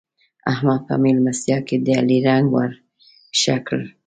احمد په مېلمستيا کې د علي رنګ ور ښه کړ.